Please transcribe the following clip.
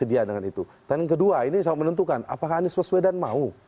itu sudah ada